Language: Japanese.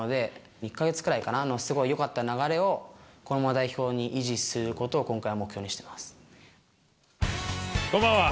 １か月くらいかな、すごいよかった流れをこのまま代表に維持することを今回は目標にこんばんは。